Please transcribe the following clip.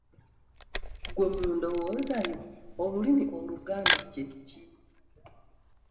Gwe mu ndowooza yo olulimi Oluganda kye ki?